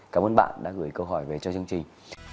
cảm ơn bạn đã gửi câu hỏi về cho chương trình